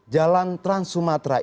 jalan trans sumatra itu diganti